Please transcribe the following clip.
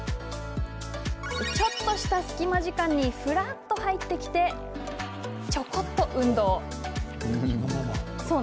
ちょっとした隙間時間にふらっと入ってきてちょこっと運動。